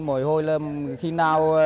mỗi hồi là khi nào